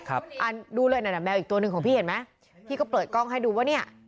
อันดูเลยนั่นน่ะแมวอีกตัวหนึ่งของพี่เห็นไหมพี่ก็เปิดกล้องให้ดูว่าเนี่ย